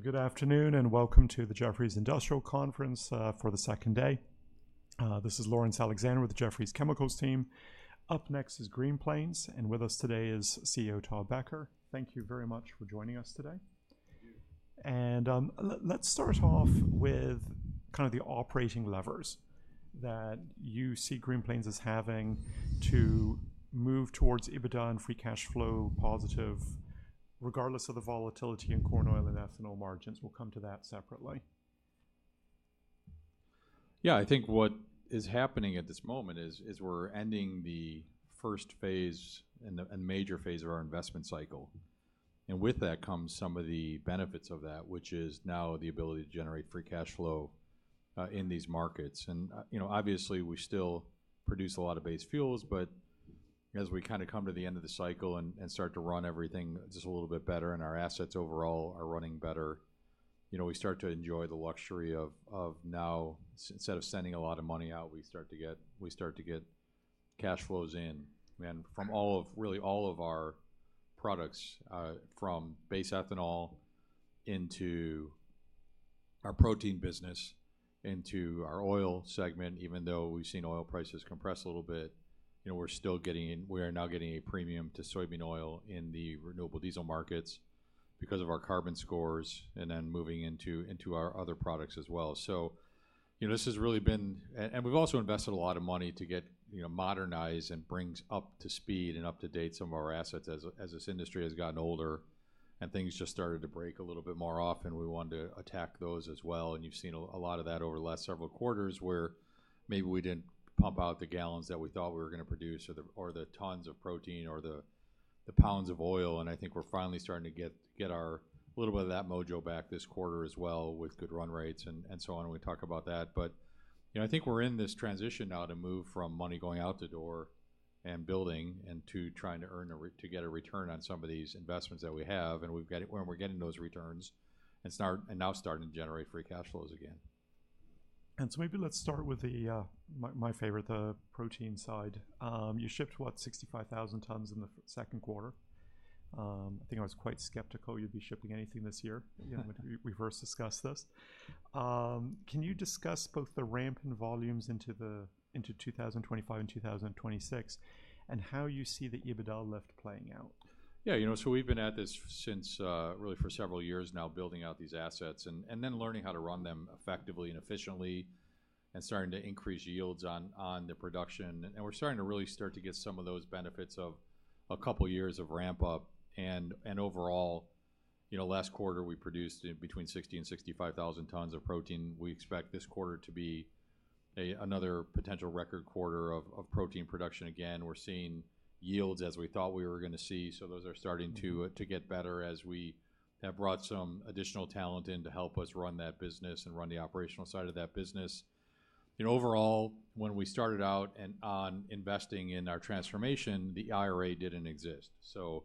Good afternoon, and welcome to the Jefferies Industrial Conference for the second day. This is Laurence Alexander with the Jefferies Chemicals team. Up next is Green Plains, and with us today is CEO Todd Becker. Thank you very much for joining us today. Thank you. Let's start off with kind of the operating levers that you see Green Plains as having to move towards EBITDA and free cash flow positive, regardless of the volatility in corn oil and ethanol margins. We'll come to that separately. Yeah, I think what is happening at this moment is we're ending the first phase and the major phase of our investment cycle. And with that comes some of the benefits of that, which is now the ability to generate free cash flow in these markets. And you know, obviously, we still produce a lot of base fuels, but as we kinda come to the end of the cycle and start to run everything just a little bit better, and our assets overall are running better, you know, we start to enjoy the luxury of now, instead of sending a lot of money out, we start to get cash flows in. From all of, really all of our products, from base ethanol into our protein business, into our oil segment, even though we've seen oil prices compress a little bit, you know, we're still getting – we are now getting a premium to soybean oil in the renewable diesel markets because of our carbon scores, and then moving into our other products as well. So, you know, this has really been and we've also invested a lot of money to get, you know, modernize and brings up to speed and up to date some of our assets as this industry has gotten older, and things just started to break a little bit more often. We wanted to attack those as well, and you've seen a lot of that over the last several quarters, where maybe we didn't pump out the gallons that we thought we were gonna produce, or the tons of protein, or the pounds of oil. And I think we're finally starting to get our a little bit of that mojo back this quarter as well with good run rates and so on, we talk about that. But, you know, I think we're in this transition now to move from money going out the door and building, into trying to earn to get a return on some of these investments that we have, and we've got it and we're getting those returns, and now starting to generate free cash flows again. Maybe let's start with my favorite, the protein side. You shipped, what? 65,000 tons in the second quarter. I think I was quite skeptical you'd be shipping anything this year, you know, when we first discussed this. Can you discuss both the ramp and volumes into 2025 and 2026, and how you see the EBITDA lift playing out? Yeah, you know, so we've been at this since really for several years now, building out these assets, and then learning how to run them effectively and efficiently, and starting to increase yields on the production. We're starting to really get some of those benefits of a couple years of ramp-up. Overall, you know, last quarter, we produced between 60 and 65 thousand tons of protein. We expect this quarter to be another potential record quarter of protein production. Again, we're seeing yields as we thought we were gonna see, so those are starting to get better as we have brought some additional talent in to help us run that business and run the operational side of that business. You know, overall, when we started out on investing in our transformation, the IRA didn't exist. So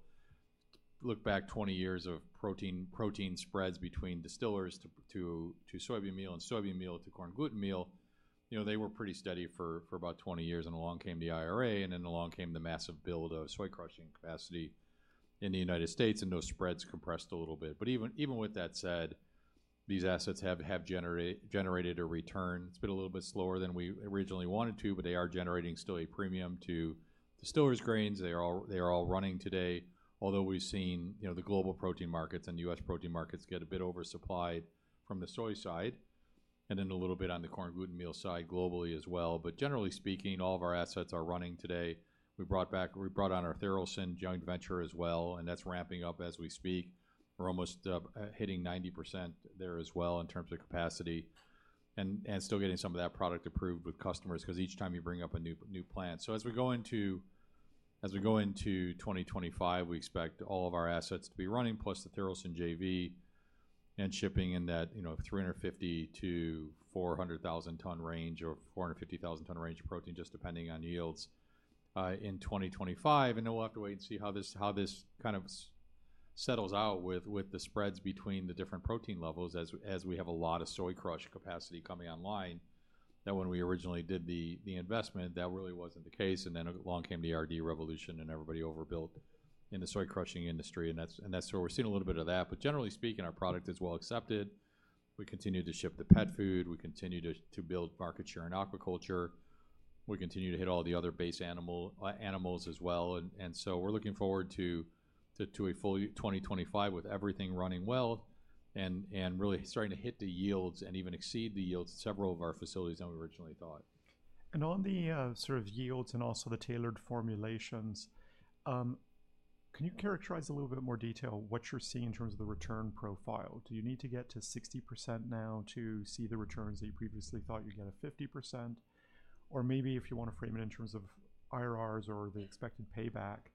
look back twenty years of protein, protein spreads between distillers to soybean meal and soybean meal to corn gluten meal. You know, they were pretty steady for about twenty years, and along came the IRA, and then along came the massive build of soy crushing capacity in the United States, and those spreads compressed a little bit. But even with that said, these assets have generated a return. It's been a little bit slower than we originally wanted to, but they are generating still a premium to distillers' grains. They are all running today. Although we've seen, you know, the global protein markets and U.S. protein markets get a bit oversupplied from the soy side, and then a little bit on the corn gluten meal side globally as well. But generally speaking, all of our assets are running today. We brought on our Tharaldson joint venture as well, and that's ramping up as we speak. We're almost hitting 90% there as well in terms of capacity, and still getting some of that product approved with customers, because each time you bring up a new plant. So as we go into twenty twenty-five, we expect all of our assets to be running, plus the Tharaldson JV, and shipping in that, you know, 350,000-400,000 ton range or 450,000 ton range of protein, just depending on yields, in twenty twenty-five. And then we'll have to wait and see how this kind of settles out with the spreads between the different protein levels, as we have a lot of soy crush capacity coming online. That when we originally did the investment, that really wasn't the case, and then along came the RD revolution, and everybody overbuilt in the soy crushing industry, and that's where we're seeing a little bit of that. But generally speaking, our product is well accepted. We continue to ship the pet food. We continue to build market share in aquaculture. We continue to hit all the other base animal animals as well. And so we're looking forward to a full year twenty twenty-five with everything running well and really starting to hit the yields and even exceed the yields at several of our facilities than we originally thought. And on the sort of yields and also the tailored formulations, can you characterize a little bit more detail what you're seeing in terms of the return profile? Do you need to get to 60% now to see the returns that you previously thought you'd get at 50%? Or maybe if you want to frame it in terms of IRRs or the expected payback,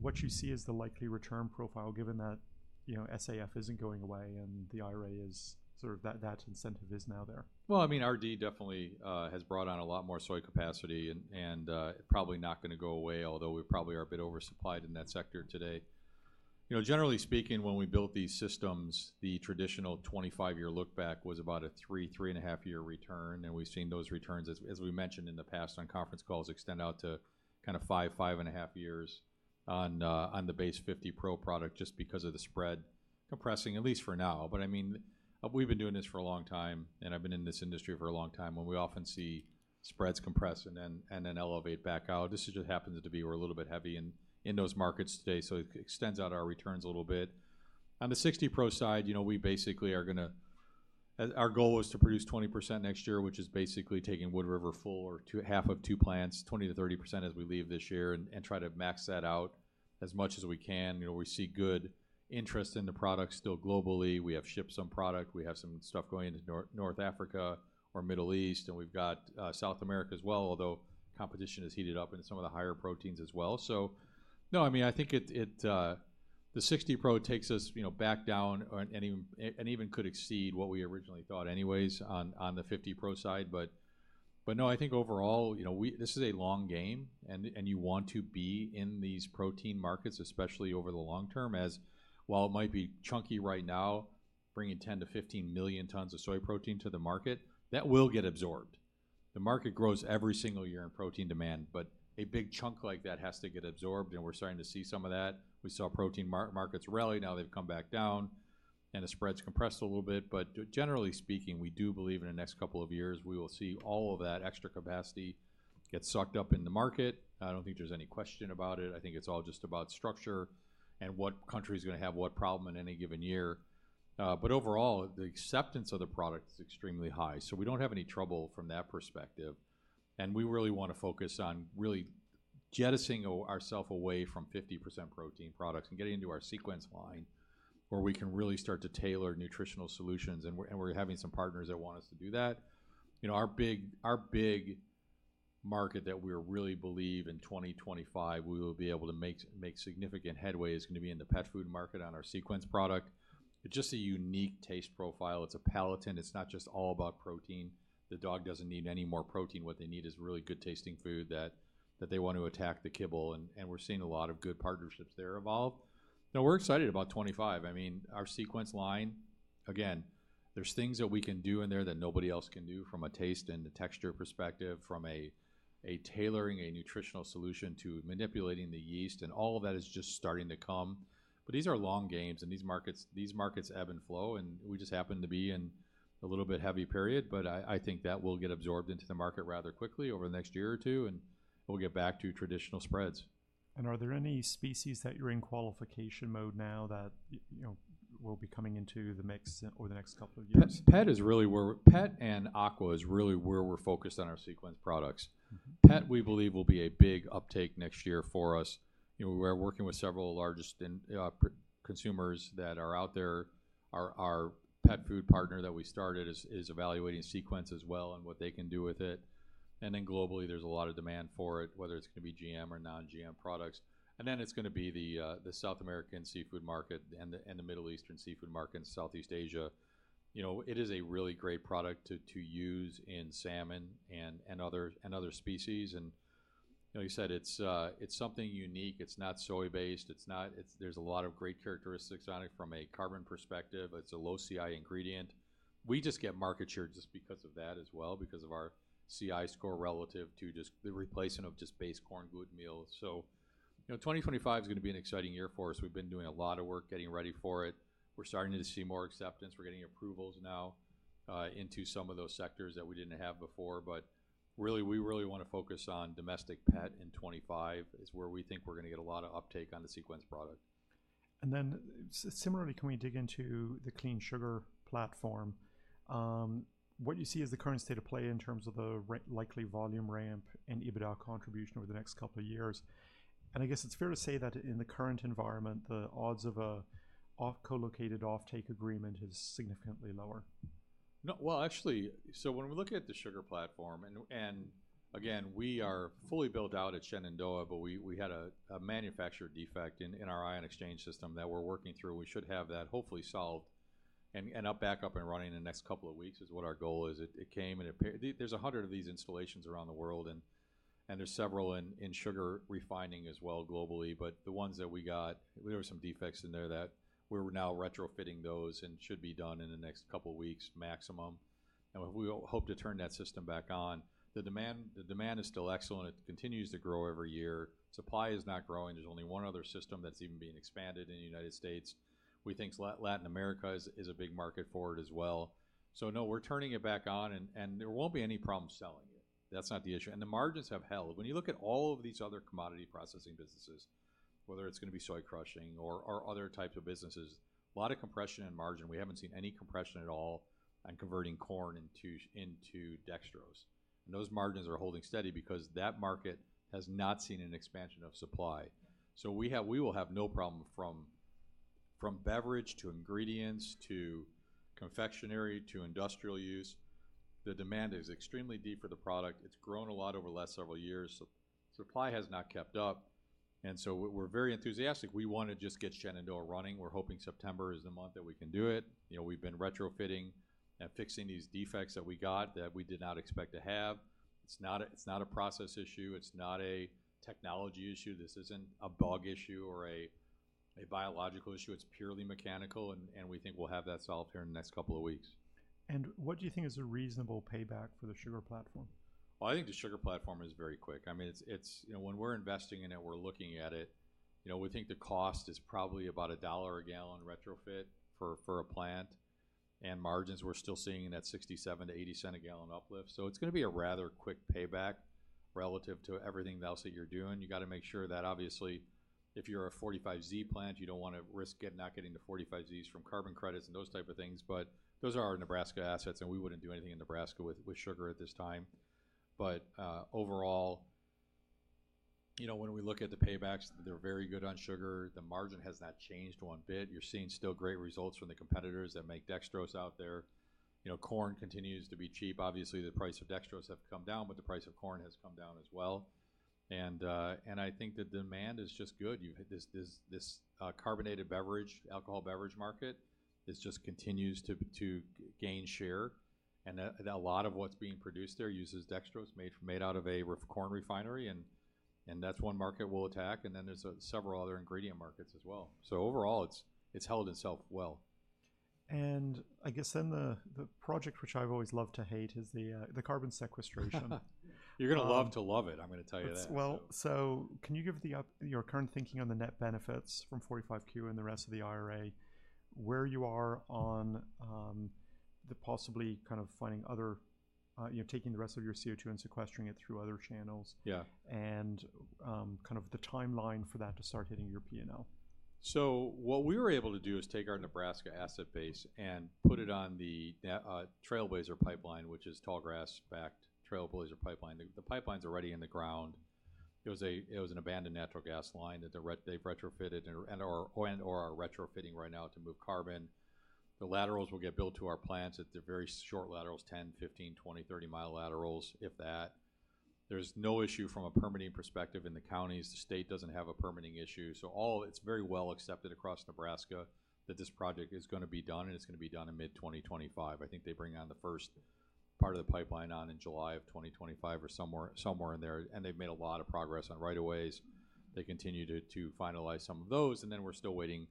what you see as the likely return profile, given that, you know, SAF isn't going away and the IRA is sort of that, that incentive is now there. I mean, RD definitely has brought on a lot more soy capacity and probably not gonna go away, although we probably are a bit oversupplied in that sector today. You know, generally speaking, when we built these systems, the traditional twenty-five-year look back was about a three, three and a half year return, and we've seen those returns, as we mentioned in the past on conference calls, extend out to kind of five, five and a half years on the Base 50 Pro product just because of the spread compressing, at least for now, but I mean, we've been doing this for a long time, and I've been in this industry for a long time, where we often see spreads compress and then elevate back out. This just happens to be we're a little bit heavy in those markets today, so it extends out our returns a little bit. On the 60 Pro side, you know, we basically are gonna. Our goal was to produce 20% next year, which is basically taking Wood River full or two, half of two plants, 20%-30% as we leave this year, and try to max that out as much as we can. You know, we see good interest in the product still globally. We have shipped some product. We have some stuff going into North Africa or Middle East, and we've got South America as well, although competition has heated up in some of the higher proteins as well. No, I mean, I think it, the 60 Pro takes us, you know, back down or, and even could exceed what we originally thought anyways on, on the 50 Pro side. But no, I think overall, you know, we. This is a long game, and you want to be in these protein markets, especially over the long term, as while it might be chunky right now, bringing 10-15 million tons of soy protein to the market, that will get absorbed. The market grows every single year in protein demand, but a big chunk like that has to get absorbed, and we're starting to see some of that. We saw protein markets rally, now they've come back down, and the spread's compressed a little bit. But generally speaking, we do believe in the next couple of years, we will see all of that extra capacity get sucked up in the market. I don't think there's any question about it. I think it's all just about structure and what country is gonna have what problem in any given year. But overall, the acceptance of the product is extremely high, so we don't have any trouble from that perspective. And we really want to focus on really jettisoning ourselves away from 50% protein products and getting into our Sequence line, where we can really start to tailor nutritional solutions, and we're having some partners that want us to do that. You know, our big, our big market that we really believe in 2025, we will be able to make, make significant headway is gonna be in the pet food market on our Sequence product. It's just a unique taste profile. It's a palatant. It's not just all about protein. The dog doesn't need any more protein. What they need is really good-tasting food that, that they want to attack the kibble, and, and we're seeing a lot of good partnerships there evolve. Now, we're excited about twenty-five. I mean, our Sequence line, again, there's things that we can do in there that nobody else can do from a taste and a texture perspective, from a, a tailoring a nutritional solution to manipulating the yeast, and all of that is just starting to come. But these are long games, and these markets, these markets ebb and flow, and we just happen to be in a little bit heavy period. But I think that will get absorbed into the market rather quickly over the next year or two, and we'll get back to traditional spreads. Are there any species that you're in qualification mode now that you know, will be coming into the mix over the next couple of years? Pet and aqua is really where we're focused on our Sequence products. Mm-hmm. Pet, we believe, will be a big uptake next year for us. You know, we are working with several largest in protein consumers that are out there. Our pet food partner that we started is evaluating Sequence as well and what they can do with it. And then globally, there's a lot of demand for it, whether it's going to be GM or non-GM products. And then it's gonna be the South American seafood market and the Middle Eastern seafood market and Southeast Asia. You know, it is a really great product to use in salmon and other species. And like you said, it's something unique. It's not soy-based. It's not... It's- there's a lot of great characteristics on it from a carbon perspective. It's a low CI ingredient. We just get market share just because of that as well, because of our CI score relative to just the replacement of just base corn gluten meal. So, you know, 2025 is gonna be an exciting year for us. We've been doing a lot of work getting ready for it. We're starting to see more acceptance. We're getting approvals now into some of those sectors that we didn't have before. But really, we really want to focus on domestic pet in twenty-five, is where we think we're gonna get a lot of uptake on the Sequence product. And then similarly, can we dig into the Clean Sugar platform? What you see as the current state of play in terms of the likely volume ramp and EBITDA contribution over the next couple of years? And I guess it's fair to say that in the current environment, the odds of a co-located offtake agreement is significantly lower. No. Well, actually, so when we look at the sugar platform, and again, we are fully built out at Shenandoah, but we had a manufacturer defect in our ion exchange system that we're working through. We should have that hopefully solved and up, back up and running in the next couple of weeks, is what our goal is. It came, and there's 100 of these installations around the world, and there's several in sugar refining as well globally. But the ones that we got, there were some defects in there that we're now retrofitting those and should be done in the next couple of weeks maximum. And we hope to turn that system back on. The demand is still excellent. It continues to grow every year. Supply is not growing. There's only one other system that's even being expanded in the United States. We think Latin America is a big market for it as well. So no, we're turning it back on, and there won't be any problem selling it. That's not the issue, and the margins have held. When you look at all of these other commodity processing businesses, whether it's going to be soy crushing or other types of businesses, a lot of compression in margin. We haven't seen any compression at all on converting corn into dextrose, and those margins are holding steady because that market has not seen an expansion of supply. So we will have no problem from beverage to ingredients, to confectionery, to industrial use. The demand is extremely deep for the product. It's grown a lot over the last several years. So supply has not kept up, and so we're very enthusiastic. We want to just get Shenandoah running. We're hoping September is the month that we can do it. You know, we've been retrofitting and fixing these defects that we got that we did not expect to have. It's not a, it's not a process issue. It's not a technology issue. This isn't a bug issue or a biological issue, it's purely mechanical, and we think we'll have that solved here in the next couple of weeks. What do you think is a reasonable payback for the sugar platform? I think the sugar platform is very quick. I mean, it's. You know, when we're investing in it, we're looking at it. You know, we think the cost is probably about $1 a gallon retrofit for a plant, and margins, we're still seeing in that $0.67-$0.80 a gallon uplift. So it's gonna be a rather quick payback relative to everything else that you're doing. You gotta make sure that, obviously, if you're a 45Z plant, you don't want to risk not getting the 45Zs from carbon credits and those type of things. But those are our Nebraska assets, and we wouldn't do anything in Nebraska with sugar at this time. But overall, you know, when we look at the paybacks, they're very good on sugar. The margin has not changed one bit. You're seeing still great results from the competitors that make dextrose out there. You know, corn continues to be cheap. Obviously, the price of dextrose have come down, but the price of corn has come down as well. And I think the demand is just good. This carbonated beverage, alcohol beverage market, it just continues to gain share, and a lot of what's being produced there uses dextrose made out of a corn refinery, and that's one market we'll attack, and then there's several other ingredient markets as well. So overall, it's held itself well. And I guess then the project which I've always loved to hate is the carbon sequestration. You're gonna love to love it, I'm gonna tell you that. Can you give us your current thinking on the net benefits from 45Q and the rest of the IRA, where you are on the possibility of kind of finding other, you know, taking the rest of your CO2 and sequestering it through other channels? Yeah. Kind of the timeline for that to start hitting your P&L. What we were able to do is take our Nebraska asset base and put it on the Trailblazer Pipeline, which is Tallgrass-backed Trailblazer Pipeline. The pipeline's already in the ground. It was an abandoned natural gas line that they've retrofitted and/or are retrofitting right now to move carbon. The laterals will get built to our plants. It's very short laterals, 10-, 15-, 20-, 30-mile laterals, if that. There's no issue from a permitting perspective in the counties. The state doesn't have a permitting issue, so it's very well accepted across Nebraska that this project is gonna be done, and it's gonna be done in mid-2025. I think they bring on the first part of the pipeline in July of 2025 or somewhere in there, and they've made a lot of progress on rights-of-way. They continue to finalize some of those, and then we're still waiting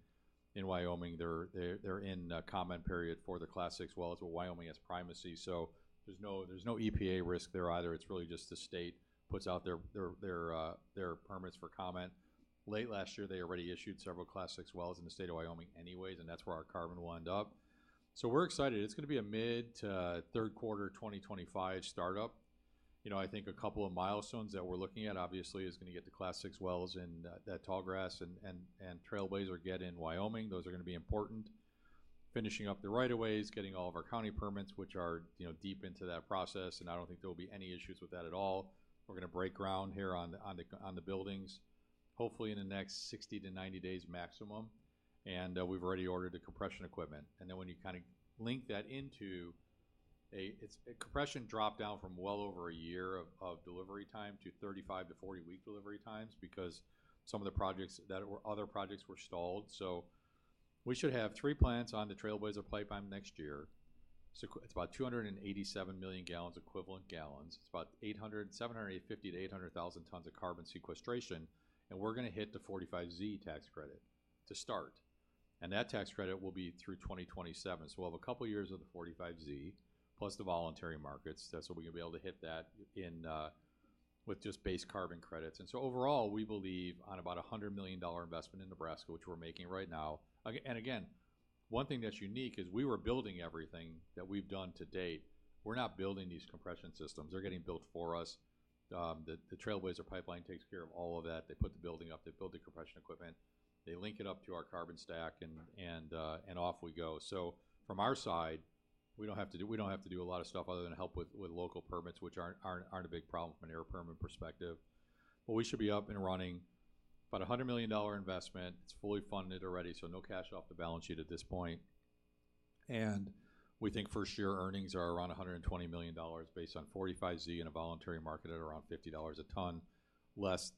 in Wyoming. They're in a comment period for the Class VI wells, but Wyoming has primacy, so there's no EPA risk there either. It's really just the state puts out their permits for comment. Late last year, they already issued several Class VI wells in the state of Wyoming anyways, and that's where our carbon will end up. So we're excited. It's gonna be a mid to third quarter 2025 startup. You know, I think a couple of milestones that we're looking at, obviously, is gonna get the Class VI wells in that Tallgrass and Trailblazer get in Wyoming. Those are gonna be important. Finishing up the right of ways, getting all of our county permits, which are, you know, deep into that process, and I don't think there will be any issues with that at all. We're gonna break ground here on the buildings, hopefully in the next 60-90 days maximum, and we've already ordered the compression equipment. And then when you kind of link that into it's compression dropped down from well over a year of delivery time to 35-40-week delivery times because some of the other projects were stalled. So we should have three plants on the Trailblazer Pipeline next year. So it's about 287 million gallons, equivalent gallons. It's about eight hundred, seven hundred and fifty to eight hundred thousand tons of carbon sequestration, and we're gonna hit the 45Z tax credit to start, and that tax credit will be through 2027. We'll have a couple of years of the 45Z, plus the voluntary markets. That's where we're gonna be able to hit that in with just base carbon credits. And so overall, we believe on about a $100 million investment in Nebraska, which we're making right now. And again, one thing that's unique is we were building everything that we've done to date. We're not building these compression systems. They're getting built for us. The Trailblazer Pipeline takes care of all of that. They put the building up, they build the compression equipment, they link it up to our carbon stack, and off we go. From our side, we don't have to do a lot of stuff other than help with local permits, which aren't a big problem from an air permit perspective. But we should be up and running. About a $100 million investment, it's fully funded already, so no cash off the balance sheet at this point. And we think first-year earnings are around $120 million, based on 45Z and a voluntary market at around $50 a ton, less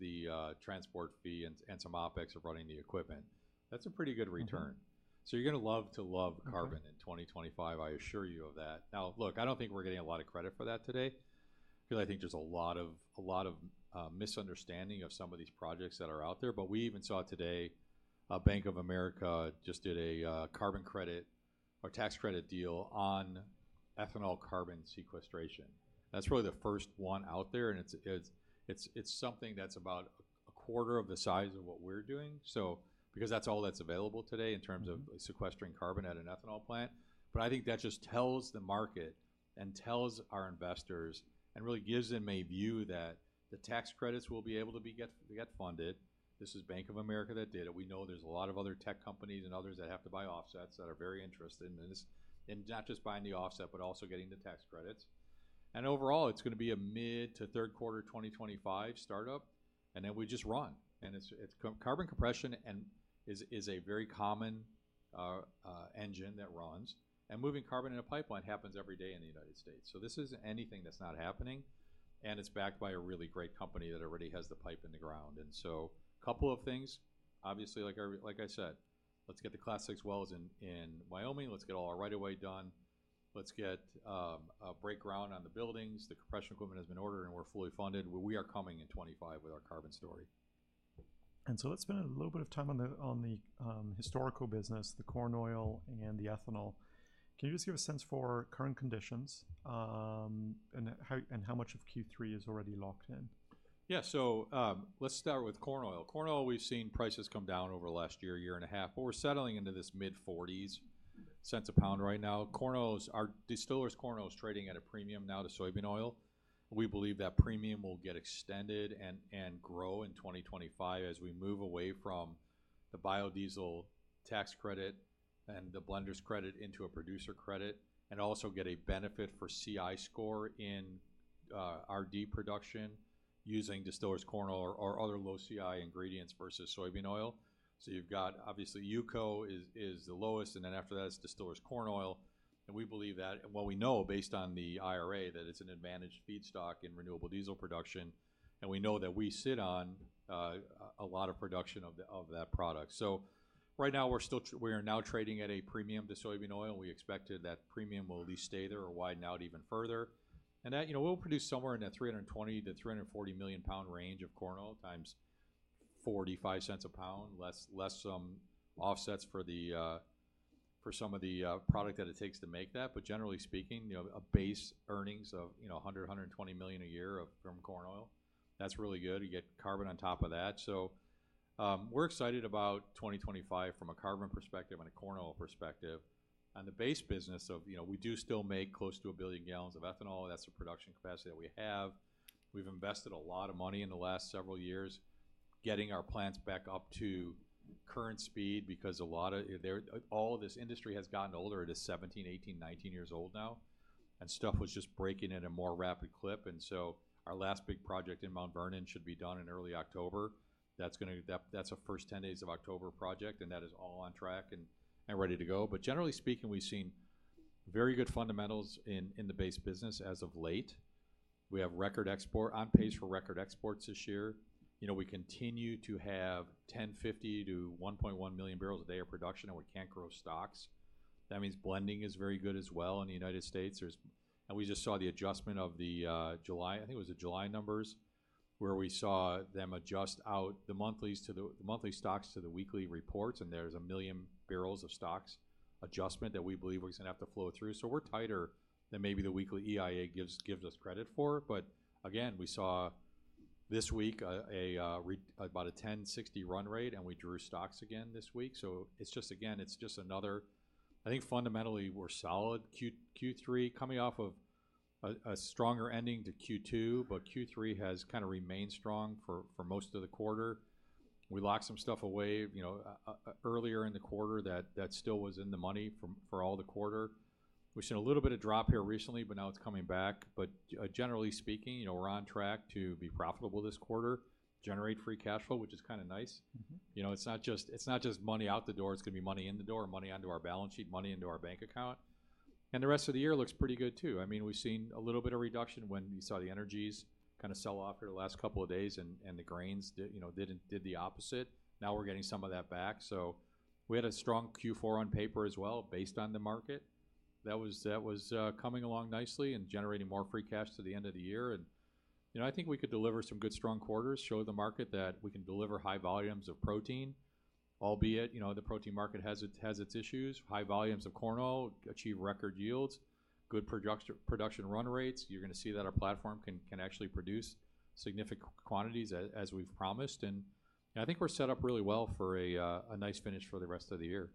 the transport fee and some OpEx of running the equipment. That's a pretty good return. Mm-hmm. So you're gonna love to love carbon... Okay... in 2025, I assure you of that. Now, look, I don't think we're getting a lot of credit for that today because I think there's a lot of, a lot of, misunderstanding of some of these projects that are out there. But we even saw today, Bank of America just did a carbon credit, or tax credit deal on ethanol carbon sequestration. That's really the first one out there, and it's something that's about a quarter of the size of what we're doing, so because that's all that's available today in terms of- Mm... sequestering carbon at an ethanol plant. But I think that just tells the market and tells our investors, and really gives them a view that the tax credits will be able to be get funded. This is Bank of America that did it. We know there's a lot of other tech companies and others that have to buy offsets that are very interested in this, and not just buying the offset, but also getting the tax credits. And overall, it's gonna be a mid to third quarter 2025 startup, and then we just run. And it's carbon compression and is a very common engine that runs, and moving carbon in a pipeline happens every day in the United States. So this isn't anything that's not happening, and it's backed by a really great company that already has the pipe in the ground. So, a couple of things, obviously, like—like I said, let's get the Class VI wells in Wyoming, let's get all our right of way done. Let's get a break ground on the buildings. The compression equipment has been ordered, and we're fully funded. We are coming in twenty-five with our carbon story. And so let's spend a little bit of time on the historical business, the corn oil and the ethanol. Can you just give a sense for current conditions, and how much of Q3 is already locked in? Yeah. So, let's start with corn oil. Corn oil, we've seen prices come down over the last year and a half, but we're settling into this mid-forties cents a pound right now. Corn oil is our distiller's corn oil is trading at a premium now to soybean oil. We believe that premium will get extended and grow in 2025 as we move away from the biodiesel tax credit and the blender's credit into a producer credit, and also get a benefit for CI score in RD production using distiller's corn oil or other low CI ingredients versus soybean oil. So you've got, obviously, UCO is the lowest, and then after that, it's distiller's corn oil. And we believe that... We know, based on the IRA, that it's an advantaged feedstock in renewable diesel production, and we know that we sit on a lot of production of that product. So right now, we are now trading at a premium to soybean oil. We expected that premium will at least stay there or widen out even further. And that, you know, we'll produce somewhere in that 320-340 million pound range of corn oil, times $0.45 a pound, less some offsets for some of the product that it takes to make that. But generally speaking, you know, a base earnings of 120 million a year from corn oil, that's really good. You get carbon on top of that. We're excited about 2025 from a carbon perspective and a corn oil perspective. On the base business of, you know, we do still make close to a billion gallons of ethanol. That's the production capacity that we have. We've invested a lot of money in the last several years, getting our plants back up to current speed, because a lot of them, they're all of this industry has gotten older. It is seventeen, eighteen, nineteen years old now, and stuff was just breaking at a more rapid clip. Our last big project in Mount Vernon should be done in early October. That's a first ten days of October project, and that is all on track and ready to go. But generally speaking, we've seen very good fundamentals in the base business as of late. We have record exports on pace for record exports this year. You know, we continue to have 1.05 to 1.1 million barrels a day of production, and we can't grow stocks. That means blending is very good as well in the United States. And we just saw the adjustment of the July, I think it was the July numbers, where we saw them adjust out the monthlies to the monthly stocks to the weekly reports, and there's 1 million barrels of stocks adjustment that we believe is going to have to flow through. So we're tighter than maybe the weekly EIA gives us credit for. But again, we saw this week about a 1.06 run rate, and we drew stocks again this week, so it's just... Again, it's just another. I think fundamentally, we're solid Q3, coming off of a stronger ending to Q2, but Q3 has kind of remained strong for most of the quarter. We locked some stuff away, you know, earlier in the quarter that still was in the money for all the quarter. We've seen a little bit of drop here recently, but now it's coming back. But generally speaking, you know, we're on track to be profitable this quarter, generate free cash flow, which is kind of nice. Mm-hmm. You know, it's not just, it's not just money out the door. It's going to be money in the door, money onto our balance sheet, money into our bank account. And the rest of the year looks pretty good, too. I mean, we've seen a little bit of reduction when you saw the energies kind of sell off here the last couple of days, and the grains did, you know, did the opposite. Now, we're getting some of that back, so we had a strong Q4 on paper as well, based on the market. That was coming along nicely and generating more free cash to the end of the year. And, you know, I think we could deliver some good, strong quarters, show the market that we can deliver high volumes of protein, albeit, you know, the protein market has its issues. High volumes of corn oil, achieve record yields, good production, production run rates. You're going to see that our platform can actually produce significant quantities as we've promised, and I think we're set up really well for a nice finish for the rest of the year.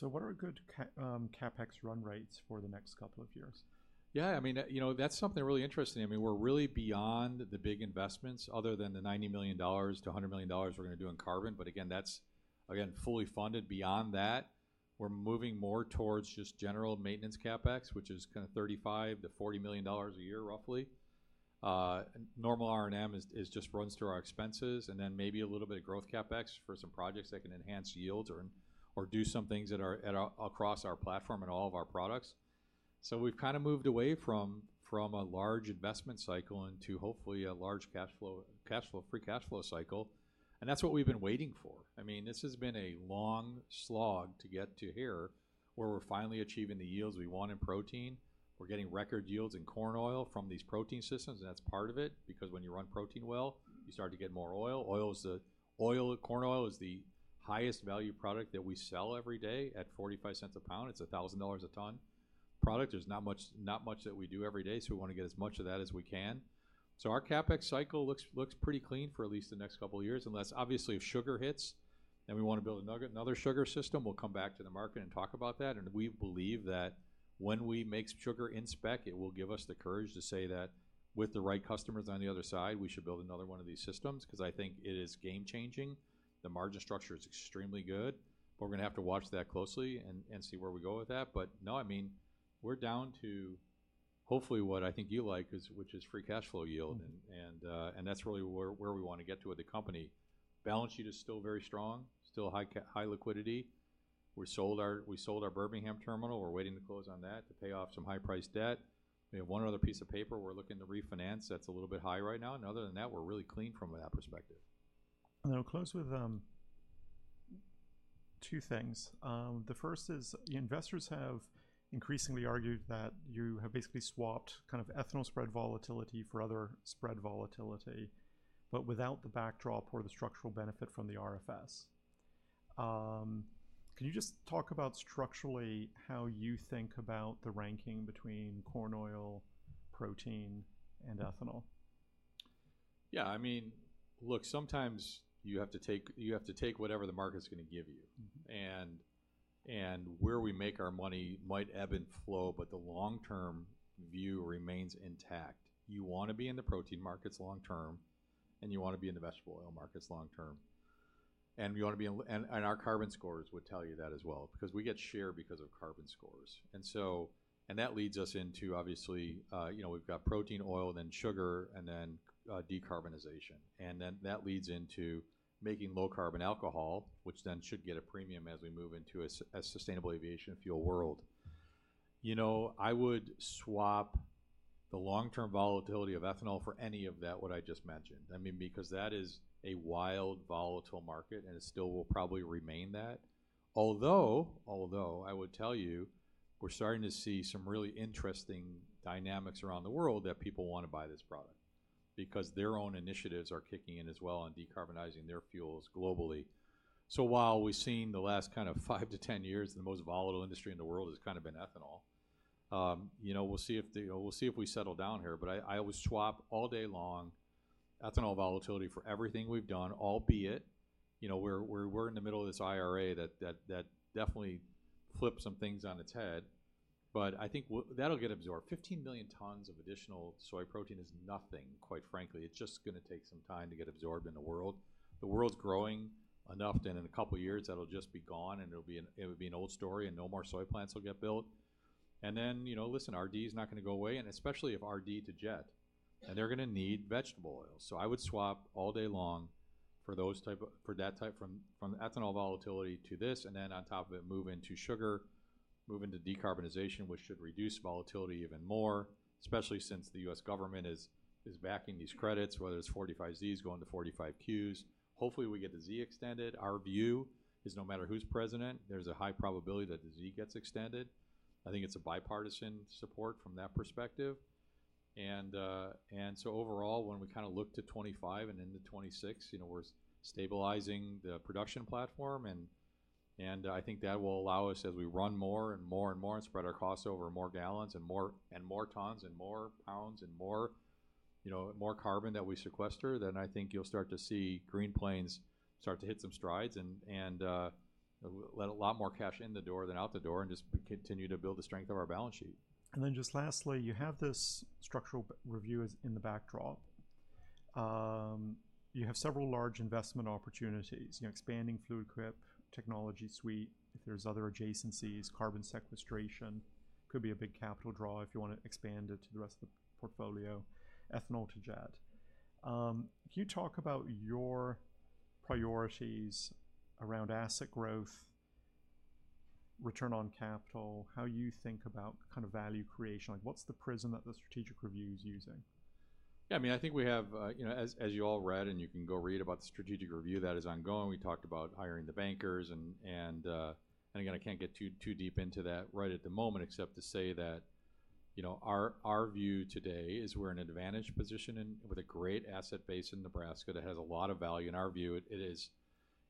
What are our good CapEx run rates for the next couple of years? Yeah, I mean, you know, that's something really interesting. I mean, we're really beyond the big investments, other than the $90 million-$100 million we're going to do in carbon. But again, that's, again, fully funded. Beyond that, we're moving more towards just general maintenance CapEx, which is kind of $35 million-$40 million a year, roughly. Normal R&M just runs through our expenses, and then maybe a little bit of growth CapEx for some projects that can enhance yields or do some things that are across our platform and all of our products. So we've kind of moved away from a large investment cycle into hopefully a large cash flow, free cash flow cycle, and that's what we've been waiting for. I mean, this has been a long slog to get to here, where we're finally achieving the yields we want in protein. We're getting record yields in corn oil from these protein systems, and that's part of it, because when you run protein well, you start to get more oil. Oil, corn oil, is the highest value product that we sell every day at $0.45 a pound. It's a $1,000 a ton product. There's not much that we do every day, so we want to get as much of that as we can. So our CapEx cycle looks pretty clean for at least the next couple of years, unless, obviously, if sugar hits, then we want to build another sugar system. We'll come back to the market and talk about that. And we believe that when we make sugar in spec, it will give us the courage to say that with the right customers on the other side, we should build another one of these systems, 'cause I think it is game-changing. The margin structure is extremely good, but we're going to have to watch that closely and see where we go with that. But no, I mean, we're down to hopefully what I think you like, is, which is free cash flow yield. Mm-hmm. That's really where we want to get to with the company. Balance sheet is still very strong, still high cash-high liquidity. We sold our Birmingham terminal. We're waiting to close on that to pay off some high-priced debt. We have one other piece of paper we're looking to refinance that's a little bit high right now, and other than that, we're really clean from that perspective. And then we'll close with two things. The first is, investors have increasingly argued that you have basically swapped kind of ethanol spread volatility for other spread volatility, but without the backdrop or the structural benefit from the RFS. Can you just talk about structurally how you think about the ranking between corn oil, protein, and ethanol? Yeah, I mean, look, sometimes you have to take, you have to take whatever the market's gonna give you. Mm-hmm. And where we make our money might ebb and flow, but the long-term view remains intact. You want to be in the protein markets long term, and you want to be in the vegetable oil markets long term. And we wanna be in. And our carbon scores would tell you that as well, because we get share because of carbon scores. And so and that leads us into obviously, you know, we've got protein, oil, then sugar, and then decarbonization. And then that leads into making low-carbon alcohol, which then should get a premium as we move into a sustainable aviation fuel world. You know, I would swap the long-term volatility of ethanol for any of that, what I just mentioned. I mean, because that is a wild, volatile market, and it still will probably remain that. Although I would tell you, we're starting to see some really interesting dynamics around the world that people want to buy this product, because their own initiatives are kicking in as well on decarbonizing their fuels globally. So while we've seen the last kind of five to 10 years, the most volatile industry in the world has kind of been ethanol, you know, we'll see if we settle down here, but I always swap all day long ethanol volatility for everything we've done, albeit, you know, we're in the middle of this IRA that definitely flipped some things on its head. But I think that'll get absorbed. 15 million tons of additional soy protein is nothing, quite frankly. It's just gonna take some time to get absorbed in the world. The world's growing enough that in a couple of years, that'll just be gone, and it'll be an, it'll be an old story, and no more soy plants will get built. And then, you know, listen, RD is not gonna go away, and especially if RD to jet, and they're gonna need vegetable oil. So I would swap all day long for that type. From ethanol volatility to this, and then on top of it, move into sugar, move into decarbonization, which should reduce volatility even more, especially since the U.S. government is backing these credits, whether it's 45Zs going to 45Qs. Hopefully, we get the Z extended. Our view is no matter who's president, there's a high probability that the Z gets extended. I think it's a bipartisan support from that perspective. So overall, when we kind of look to 2025 and into 2026, you know, we're stabilizing the production platform, and I think that will allow us as we run more and more and spread our costs over more gallons and more tons, and more pounds, and more, you know, more carbon that we sequester, then I think you'll start to see Green Plains start to hit some strides and let a lot more cash in the door than out the door and just continue to build the strength of our balance sheet. And then just lastly, you have this structural review as in the backdrop. You have several large investment opportunities, you know, expanding Fluid Quip technology suite, if there's other adjacencies, carbon sequestration could be a big capital draw if you want to expand it to the rest of the portfolio, ethanol to jet. Can you talk about your priorities around asset growth, return on capital, how you think about kind of value creation? Like, what's the prism that the strategic review is using? Yeah, I mean, I think we have, you know, as you all read, and you can go read about the strategic review that is ongoing. We talked about hiring the bankers. And again, I can't get too deep into that right at the moment, except to say that, you know, our view today is we're in an advantageous position and with a great asset base in Nebraska that has a lot of value. In our view, it is.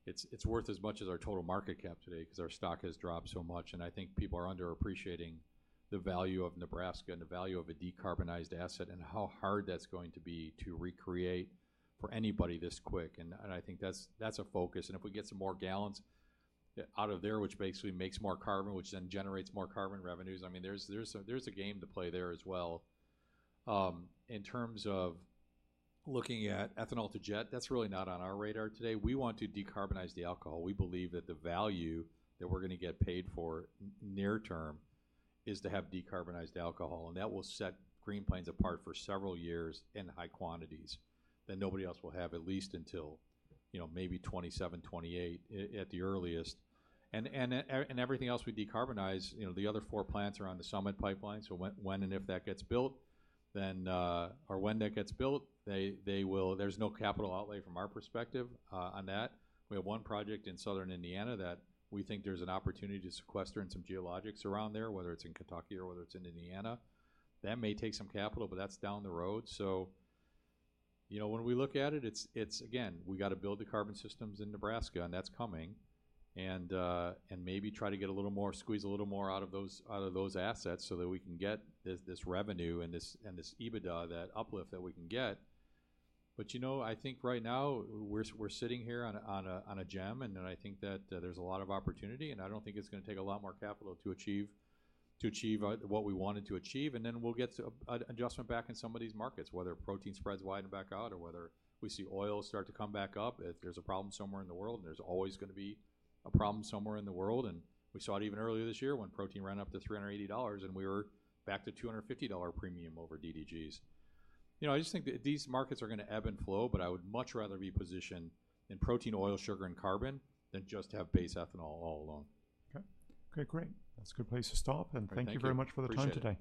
It's worth as much as our total market cap today because our stock has dropped so much, and I think people are underappreciating the value of Nebraska and the value of a decarbonized asset, and how hard that's going to be to recreate for anybody this quick. And I think that's a focus. And if we get some more gallons out of there, which basically makes more carbon, which then generates more carbon revenues, I mean, there's a game to play there as well. In terms of looking at ethanol to jet, that's really not on our radar today. We want to decarbonize the alcohol. We believe that the value that we're gonna get paid for near term is to have decarbonized alcohol, and that will set Green Plains apart for several years in high quantities that nobody else will have, at least until, you know, maybe 2027, 2028, at the earliest. And everything else we decarbonize, you know, the other four plants are on the Summit pipeline. So when and if that gets built, then... Or when that gets built, they will. There's no capital outlay from our perspective on that. We have one project in southern Indiana that we think there's an opportunity to sequester in some geologies around there, whether it's in Kentucky or whether it's in Indiana. That may take some capital, but that's down the road. You know, when we look at it, it's again, we got to build the carbon systems in Nebraska, and that's coming. And maybe try to get a little more, squeeze a little more out of those assets so that we can get this revenue and this EBITDA, that uplift that we can get. You know, I think right now we're sitting here on a gem, and then I think that there's a lot of opportunity, and I don't think it's gonna take a lot more capital to achieve what we wanted to achieve. And then we'll get an adjustment back in some of these markets, whether protein spreads widen back out or whether we see oil start to come back up. If there's a problem somewhere in the world, and there's always gonna be a problem somewhere in the world, and we saw it even earlier this year when protein ran up to $380, and we were back to $250 premium over DDGs. You know, I just think that these markets are gonna ebb and flow, but I would much rather be positioned in protein, oil, sugar, and carbon than just have base ethanol all along. Okay. Okay, great. That's a good place to stop. Thank you. Thank you very much for the time today.